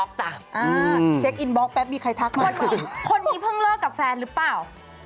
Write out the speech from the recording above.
คนนี้เพิ่งเลิกกับแฟนหรือเปล่า